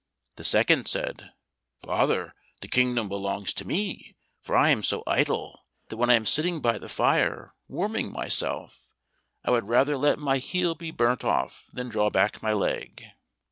The second said; "Father, the kingdom belongs to me, for I am so idle that when I am sitting by the fire warming myself, I would rather let my heel be burnt off than draw back my leg."